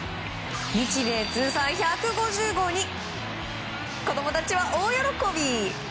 日米通算１５０号に子供たちは大喜び！